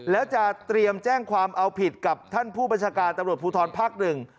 แล้วจะเตรียมแจ้งความเอาผิดกับท่านผู้บัญชาการตำรวจภูทรภาคหนึ่ง